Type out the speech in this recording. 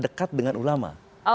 oke dekat dengan ulama